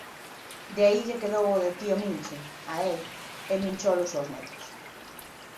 De aí lle quedou o de Tío Mincho a el e Mincholos aos netos.